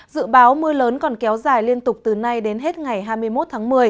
dự báo mưa lớn còn kéo dài liên tục từ nay đến hết ngày hai mươi một tháng một mươi